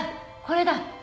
これだ。